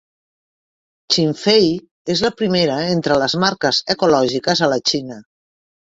Xinfei és la primera entre les marques ecològiques a la Xina.